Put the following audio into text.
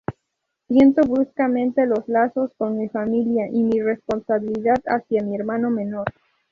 Siento bruscamente los lazos con mi familia y mi responsabilidad hacia mi hermano menor.